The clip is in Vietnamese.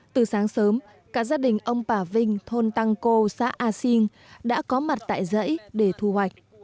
từ sáng sớm cả gia đình ông bà vinh thôn tăng cô xã a sinh đã có mặt tại dãy để thu hoạch